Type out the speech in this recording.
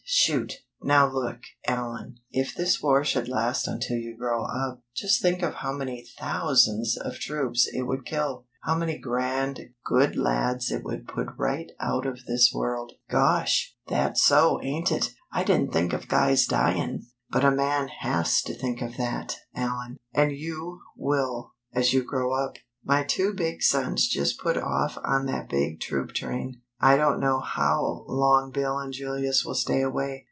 Shoot!" "Now look, Allan. If this war should last until you grow up, just think of how many thousands of troops it would kill. How many grand, good lads it would put right out of this world." "Gosh! That's so, ain't it! I didn't think of guys dyin'." "But a man has to think of that, Allan. And you will, as you grow up. My two big sons just put off on that big troop train. I don't know how long Bill and Julius will stay away.